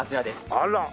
あら。